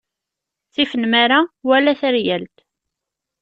Ttif nnmara wala taryalt.